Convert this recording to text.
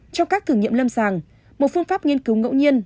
trong các thử nghiệm lâm sàng một phương pháp nghiên cứu ngẫu nhiên